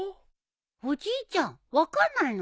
おじいちゃん分かんないの？